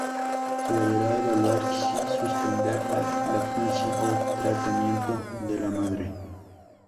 Se deberá evaluar si suspender la lactancia o el tratamiento de la madre.